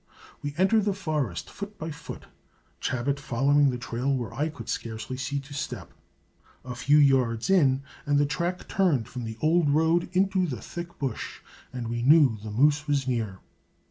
We entered the forest foot by foot, Chabot following the trail where I could scarcely see to step. A few yards in and the track turned from the old road into the thick bush, and we knew the moose was near.